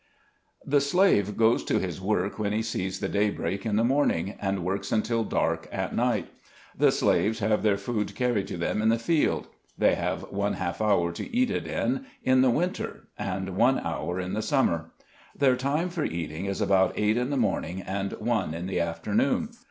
JHE slave goes to his work when he sees the daybreak in the morning, and works until dark at night. The slaves have their food carried to them in the field ; they have one half hour to eat it in, in the winter, and one hour in the sum mer. Their time for eating is about eight in the morning, and one in the afternoon.